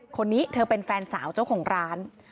คนนี้เธอเป็นแฟนสาวเจ้าของร้าน